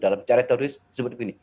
dalam cara teroris seperti ini